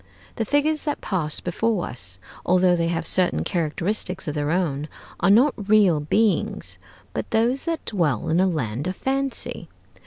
The figures that pass before us, although they have certain characteristics of their own, are not real beings, but those that dwell in a land of fancy.